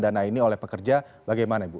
dana ini oleh pekerja bagaimana ibu